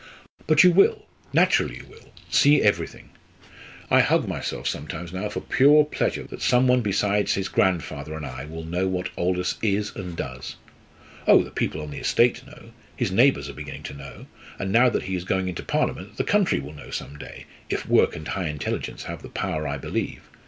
"But you will! naturally you will! see everything. I hug myself sometimes now for pure pleasure that some one besides his grandfather and I will know what Aldous is and does. Oh! the people on the estate know; his neighbours are beginning to know; and now that he is going into Parliament, the country will know some day, if work and high intelligence have the power I believe.